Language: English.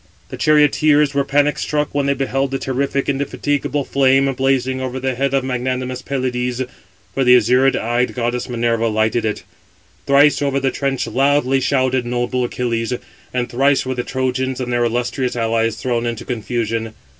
The charioteers were panic struck when they beheld the terrific, indefatigable flame, blazing over the head of magnanimous Pelides; for the azure eyed goddess Minerva lighted it. Thrice over the trench loudly shouted noble Achilles, and thrice were the Trojans and their illustrious allies thrown into confusion.